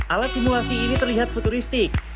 alat simulasi ini terlihat futuristik